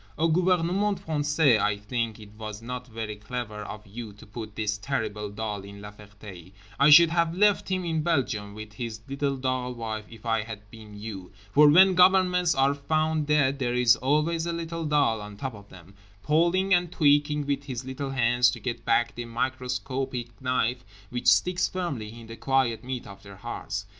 O gouvernement français, I think it was not very clever of you to put this terrible doll in La Ferté; I should have left him in Belgium with his little doll wife if I had been You; for when governments are found dead there is always a little doll on top of them, pulling and tweaking with his little hands to get back the microscopic knife which sticks firmly in the quiet meat of their hearts.